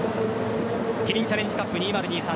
キリンチャレンジカップ２０２３